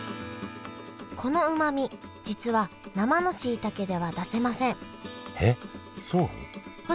このうまみ実は生のしいたけでは出せませんえっそうなの？